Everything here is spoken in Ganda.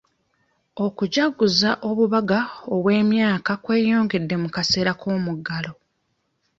Okujaguza obubaga obw'emyaka kweyongedde mu kaseera k'omuggalo.